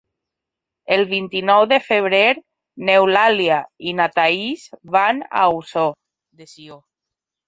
El vint-i-nou de febrer n'Eulàlia i na Thaís van a Ossó de Sió.